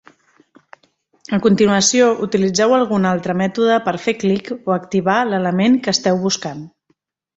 A continuació, utilitzeu algun altre mètode per fer clic o "activar" l'element que esteu buscant.